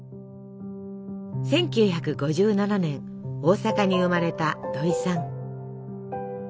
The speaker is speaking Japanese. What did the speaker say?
１９５７年大阪に生まれた土井さん。